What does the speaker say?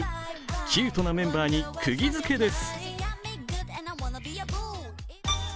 キュートなメンバーにくぎづけです。